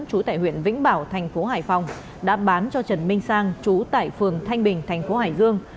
trú tại huyện vĩnh bảo thành phố hải phòng đã bán cho trần minh sang chú tại phường thanh bình thành phố hải dương